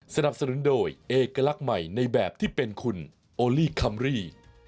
สนับสนุนโดยเอกลักษณ์ใหม่ในแบบที่เป็นคุณโอลี่คัมรี่